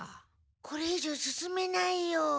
これ以上進めないよ。